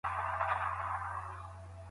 بڼوال په خپلو بڼونو کي په کار بوخت دي.